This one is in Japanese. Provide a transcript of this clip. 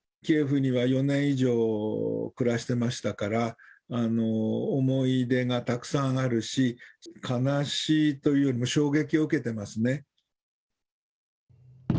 キエフには４年以上暮らしてましたから、思い出がたくさんあるし、悲しいというよりも衝撃を受けてますね。